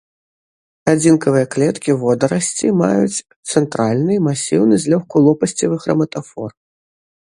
Адзінкавыя клеткі водарасці маюць цэнтральны, масіўны, злёгку лопасцевы храматафор.